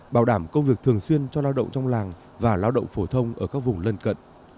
bảo đảm công việc thường xuyên cho lao động trong làng và lao động phổ thông ở các vùng lân cận